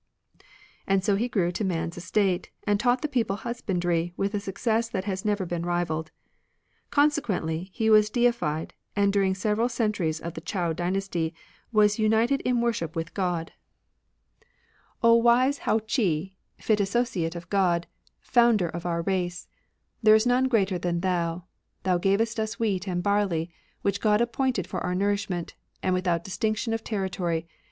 And so he grew to man's estate, of^o?Chl. *^d taught the people husbandry, with a success that has never been rivalled. (Consequently, he was deified, and dur ing several centuries of the Chou dynasty was united in worship with God :— 22 THE ANCIENT FAITtt O wise Hou Chi, Fit Associate of God, Founder of our race, There is none greater than thou ! Thou gavest us wheat and barley. Which God appointed for our nourishment. And without distinction of territory.